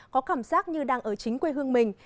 có cảm giác như đang ở chính quê hương mình